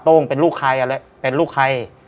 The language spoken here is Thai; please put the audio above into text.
โต้งเป็นลูกใคร